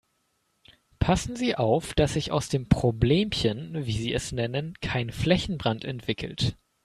Passen Sie auf, dass sich aus dem Problemchen, wie Sie es nennen, kein Flächenbrand entwickelt.